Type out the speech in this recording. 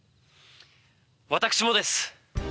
私もです。